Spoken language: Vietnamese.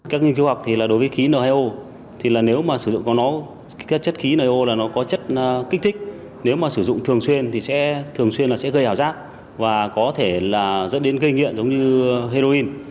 các nghiên cứu học thì là đối với khí n hai o thì là nếu mà sử dụng của nó các chất khí no là nó có chất kích thích nếu mà sử dụng thường xuyên thì sẽ thường xuyên là sẽ gây ảo giác và có thể là dẫn đến gây nghiện giống như heroin